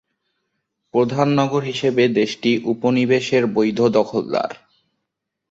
প্রধান নগর হিসেবে দেশটি উপনিবেশের বৈধ দখলদার।